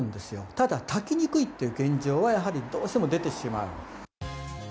ただ、炊きにくいっていう現状は、やはりどうしても出てしまう。